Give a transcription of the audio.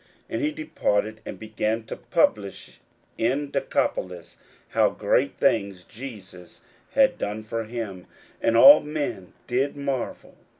41:005:020 And he departed, and began to publish in Decapolis how great things Jesus had done for him: and all men did marvel.